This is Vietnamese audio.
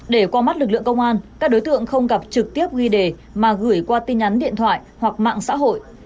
để qua mắt lực lượng công an các đối tượng không gặp trực tiếp ghi đề mà gửi qua tin nhắn điện thoại hoặc mạng xã hội